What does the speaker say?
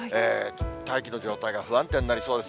大気の状態が不安定になりそうです。